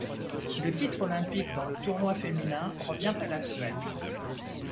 Le titre olympique dans le tournoi féminin revient à la Suède.